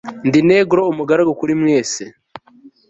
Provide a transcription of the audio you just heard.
ndi negro, umugaragu kuri mwese